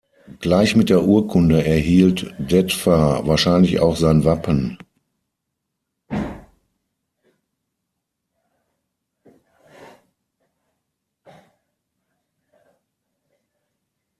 Gleich mit der Urkunde erhielt Detva wahrscheinlich auch sein Wappen.